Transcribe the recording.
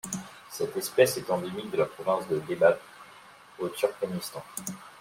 Cette espèce est endémique de la province de Lebap au Turkménistan.